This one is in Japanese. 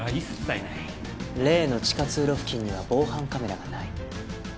例の地下通路付近には防犯カメラがない。